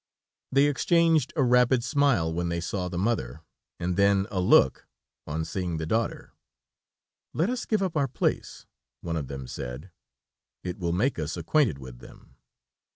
They exchanged a rapid smile when they saw the mother, and then a look on seeing the daughter. "Let us give up our place," one of them said: "it will make us acquainted with them."